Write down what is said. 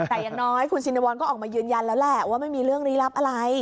แต่อย่างน้อยคุณชินวรก็ออกมายืนยันแล้วแหละว่าไม่มีเรื่องลี้ลับอะไร